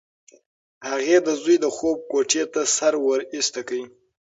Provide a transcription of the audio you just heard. هغې د زوی د خوب کوټې ته سر ورایسته کړ.